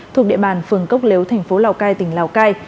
thuộc địa bàn phường cốc lếu thành phố lào cai tỉnh lào cai